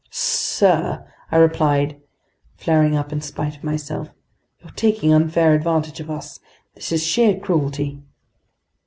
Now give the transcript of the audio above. "Sir," I replied, flaring up in spite of myself, "you're taking unfair advantage of us! This is sheer cruelty!"